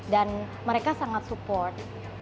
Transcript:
dan mereka sangat support